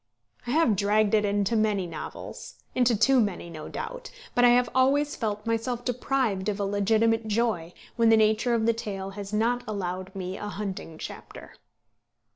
I have dragged it into many novels, into too many no doubt, but I have always felt myself deprived of a legitimate joy when the nature of the tale has not allowed me a hunting chapter.